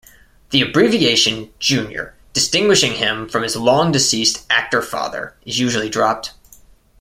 The abbreviation "Jr.", distinguishing him from his long deceased actor father, is usually dropped.